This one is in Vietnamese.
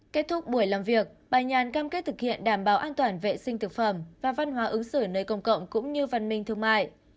kết thúc buổi làm việc bà nhàn cam kết thực hiện đảm bảo an toàn vệ sinh thực phẩm và văn hóa ứng xử nơi công cộng cũng như văn minh thương mại